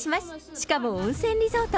しかも温泉リゾート。